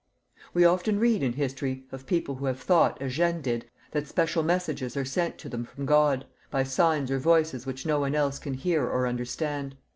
We often read in history of people who have thought, as Jeanne did, that special messages are sent to them from God by signs or voices which no one else can hear or understand.